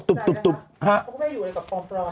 เขาก็ไม่อยู่เลยกับพร้อมปลอม